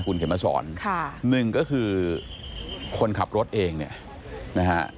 คุณเข็มมาสอนค่ะหนึ่งก็คือคนขับรถเองเนี่ยนะฮะ